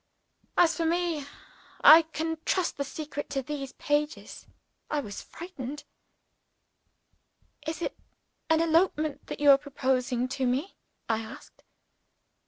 As for me I can trust the secret to these pages I was frightened. "Is it an elopement that you are proposing to me?" I asked.